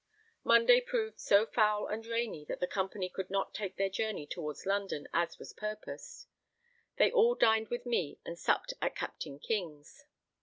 Monday proved so foul and rainy that the company could not take their journey towards London as was purposed; they all dined with me and supped at Captain King's.